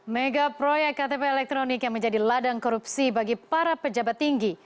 mega proyek ktp elektronik yang menjadi ladang korupsi bagi para pejabat tinggi